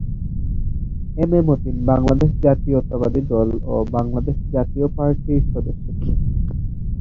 M A Matin Bangladesh জাতীয়তাবাদী দল ও বাংলাদেশ জাতীয় পার্টির সদস্য ছিলেন।